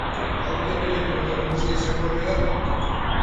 Aurten ere protagonista izango ote da?